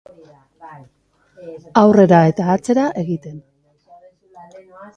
Aurrera eta atzera egiten.